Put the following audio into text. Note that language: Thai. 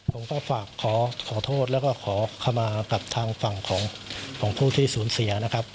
ผมก็ฝากขอโทษแล้วก็ขอขมากับทางฝั่งของผู้ที่สูญเสียนะครับ